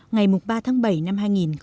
ngày ba tháng bảy năm hai nghìn một mươi bảy